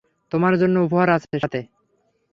তোমার জন্য উপহার আছে সাথে।